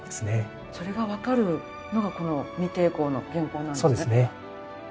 それがわかるのがこの未定稿の原稿なんですね。